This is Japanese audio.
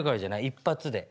一発で。